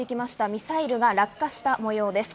ミサイルが落下した模様です。